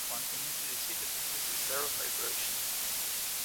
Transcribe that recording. One can easily see that this is a Serre fibration.